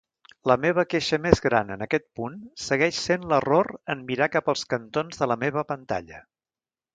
La meva queixa més gran en aquest punt segueix sent l'error en mirar cap als cantons de la meva pantalla.